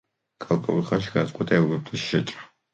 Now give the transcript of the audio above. გარკვეულ ხანში გადაწყვიტა ეგვიპტეში შეჭრა.